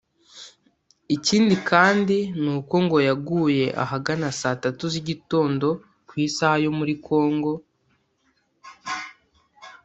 Ikindi kandi ni uko ngo yaguye ahagana saa tatu z’igitondo ku isaha yo muri Congo